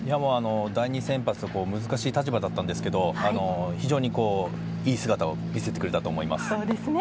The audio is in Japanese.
第２先発と難しい立場だったんですが非常にいい姿を見せてくれたと思います。